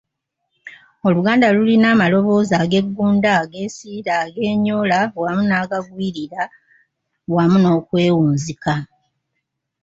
Oluganda lulina amaloboozi ageggunda, agesiira, agenyoola wamu n’agagwirira wamu n’okwewunzika.